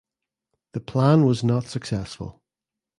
The plan was not successful.